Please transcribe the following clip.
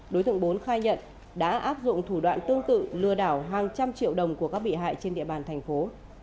đối tượng bốn khai nhận đã áp dụng thủ đoạn tương tự lừa đảo hàng trăm triệu đồng của các bị hại trên địa bàn thành phố